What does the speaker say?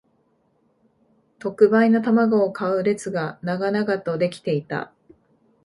特売の玉子を買う列が長々と出来ていた